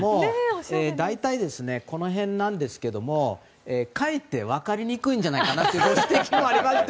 大体、この辺なんですがかえって分かりにくいんじゃないかというご指摘があって。